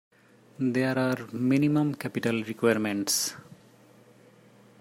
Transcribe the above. There are minimum capital requirements.